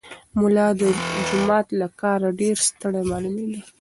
ملا د جومات له کاره ډېر ستړی معلومېده.